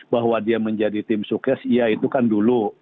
bahwa dia menjadi tim sukses iya itu kan dulu